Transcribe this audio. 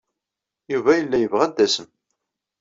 Yuba yella yebɣa ad d-tasem.